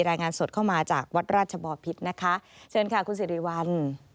รายงานสดเข้ามาจากวัดราชบอพิษนะคะเชิญค่ะคุณสิริวัล